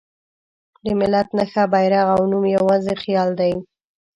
د ملت نښه، بیرغ او نوم یواځې خیال دی.